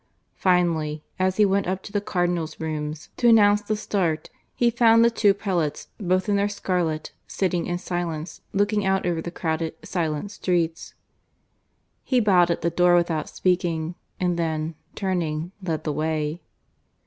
Finally, as he went up to the Cardinals' rooms to announce the start, he found the two prelates, both in their scarlet, sitting in silence, looking out over the crowded silent streets. He bowed at the door without speaking, and then, turning, led the way.